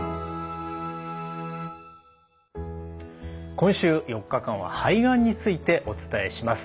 今週４日間は肺がんについてお伝えします。